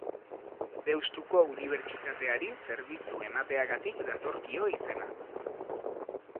Deustuko Unibertsitateari zerbitzu emateagatik datorkio izena.